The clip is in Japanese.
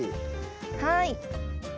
はい。